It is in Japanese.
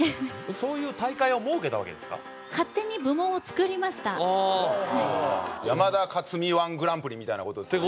そういう大会を設けたわけですか勝手に部門を作りましたみたいなことですね